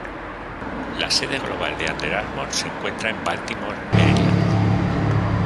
La sede global de Under Armour se encuentra en Baltimore, Maryland.